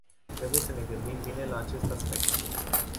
Trebuie să ne gândim bine la acest aspect.